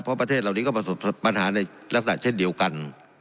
เพราะประเทศเหล่านี้ก็ประสบปัญหาในลักษณะเช่นเดียวกัน